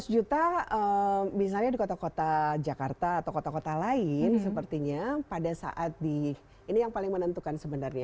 lima ratus juta misalnya di kota kota jakarta atau kota kota lain sepertinya pada saat di ini yang paling menentukan sebenarnya